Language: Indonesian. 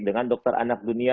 dengan dokter anak dunia